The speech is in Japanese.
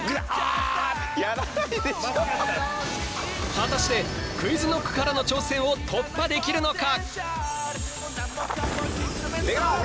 果たしてＱｕｉｚＫｎｏｃｋからの挑戦を突破できるのか！？